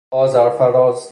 آذر فراز